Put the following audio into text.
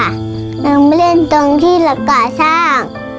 เราก็ไปเล่นตรงที่ก่อสร้าง